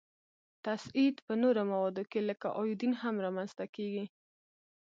تصعید په نورو موادو کې لکه ایودین هم را منځ ته کیږي.